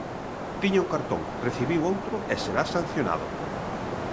Tiña un cartón, recibiu outro e será sancionado.